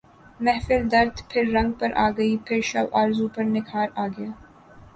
محفل درد پھر رنگ پر آ گئی پھر شب آرزو پر نکھار آ گیا